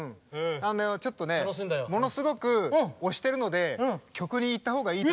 あのちょっとねものすごく押してるので曲にいった方がいいって。